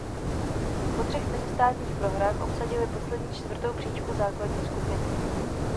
Po třech mezistátních prohrách obsadili poslední čtvrtou příčku základní skupiny.